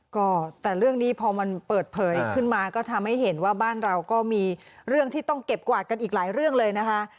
ก็แต่เรื่องนี้พอมันเปิดเผยขึ้นมาก็ทำให้เห็นว่าบ้านเราก็มีเรื่องที่ต้องเก็บกวาดกันอีกหลายเรื่องเลยนะคะ